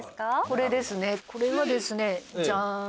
これですねこれはですねジャーン